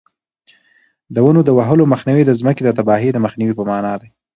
د ونو د وهلو مخنیوی د ځمکې د تباهۍ د مخنیوي په مانا دی.